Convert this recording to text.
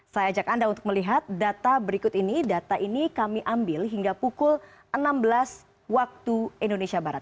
saya ajak anda untuk melihat data berikut ini data ini kami ambil hingga pukul enam belas waktu indonesia barat